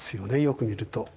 よく見ると。